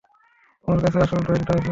তোমার কাছে আসল ড্রয়িংটা আছে?